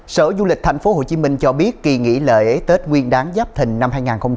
sở du lịch tp hcm cho biết kỳ nghỉ lễ tết nguyên đáng giáp thình năm hai nghìn hai mươi bốn